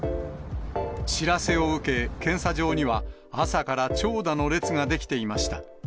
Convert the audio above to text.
知らせを受け、検査場には朝から長蛇の列が出来ていました。